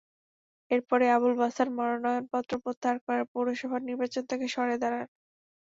এরপরই আবুল বাশার মনোনয়নপত্র প্রত্যাহার করে পৌরসভা নির্বাচন থেকে সরে দাঁড়ান।